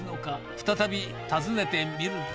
再び訪ねてみると。